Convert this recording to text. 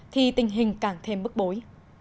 thì tình hình càng thêm bức bối